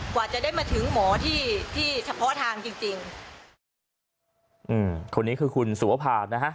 กว่าจะได้มาถึงหมอที่ที่เฉพาะทางจริงจริงอืมคนนี้คือคุณสุวภานะฮะ